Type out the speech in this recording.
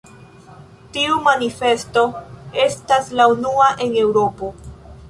Tiu manifesto estas la unua en Eŭropo.